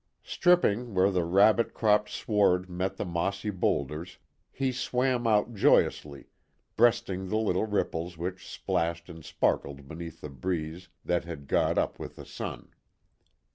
Stripping where the rabbit cropped sward met the mossy boulders, he swam out joyously, breasting the little ripples which splashed and sparkled beneath the breeze that had got up with the sun.